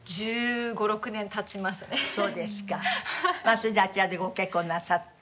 それであちらでご結婚なさって。